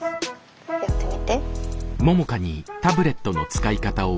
やってみて。